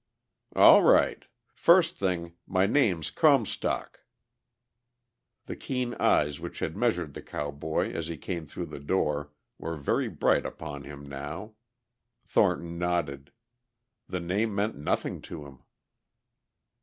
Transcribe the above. "All right. First thing, my name's Comstock." The keen eyes which had measured the cowboy as he came through the door were very bright upon him now. Thornton nodded. The name meant nothing to him.